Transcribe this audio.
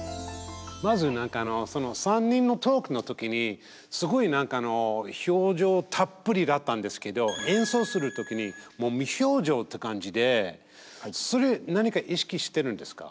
まず３人のトークの時にすごい何か表情たっぷりだったんですけど演奏する時にもう無表情っていう感じでそれ何か意識してるんですか？